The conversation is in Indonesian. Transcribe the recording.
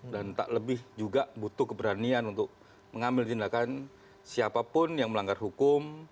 tak lebih juga butuh keberanian untuk mengambil tindakan siapapun yang melanggar hukum